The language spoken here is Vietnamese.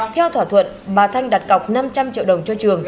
theo thỏa thuận bà thanh đặt cọc năm trăm linh triệu đồng cho trường